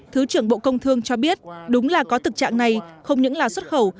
thứ trưởng bộ công thương cho biết đúng là có thực trạng này không những là xuất khẩu